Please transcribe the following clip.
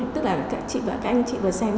tức là các anh chị vừa xem